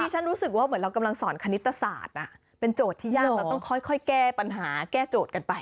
ฉันรู้สึกว่าเหมือนเรากำลังสอนคณิตศาสตร์เป็นโจทย์ที่ยากเราต้องค่อยแก้ปัญหาแก้โจทย์กันไป